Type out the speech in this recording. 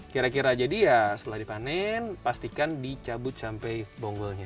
kira kira jadi ya setelah dipanen pastikan dicabut sampai bonggolnya